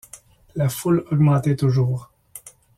La foule augmentait toujours.